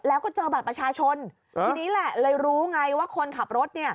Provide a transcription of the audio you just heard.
แล้วก็เจอบัตรประชาชนทีนี้แหละเลยรู้ไงว่าคนขับรถเนี่ย